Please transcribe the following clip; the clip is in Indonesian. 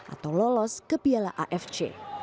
atau lolos ke piala afc